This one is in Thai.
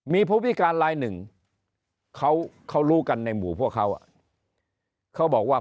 มีผู้พิการลาย๑เขาเขาลูกกันในหมู่เพราะเขาเขาบอกว่า